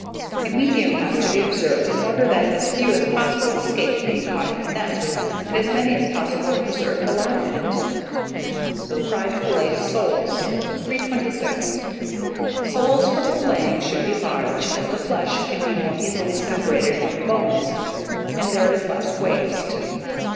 A medium has to be observed, in order that as few as possible escape being caught in the net, and as many as possible preserved alive in it. FRIED FILLETED SOLES. 326. Soles for filleting should be large, as the flesh can be more easily separated from the bones, and there is less waste.